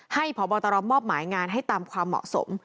ให้พบรมงให้ตามความเหมาะสม